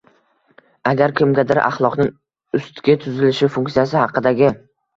Agar kimgadir axloqning “ustki tuzilishi” funksiyasi haqidagi